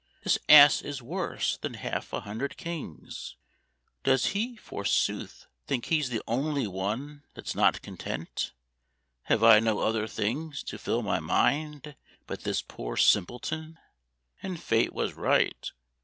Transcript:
This Ass is worse than half a hundred kings. Does he, forsooth, think he's the only one That's not content? Have I no other things To fill my mind but this poor simpleton?" And Fate was right.